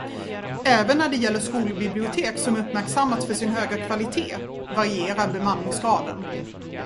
Även när det gäller skolbibliotek som uppmärksammats för sin höga kvalitet varierar bemanningsgraden.